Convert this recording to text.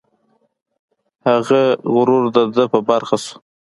هغه غرور د ده په برخه شو.